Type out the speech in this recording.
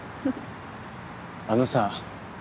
あのさ。